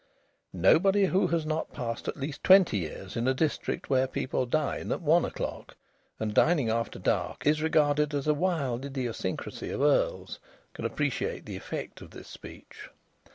Nobody who has not passed at least twenty years in a district where people dine at one o'clock, and dining after dark is regarded as a wild idiosyncrasy of earls, can appreciate the effect of this speech.